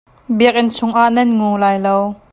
Biakinn chungah nan ngu lai lo.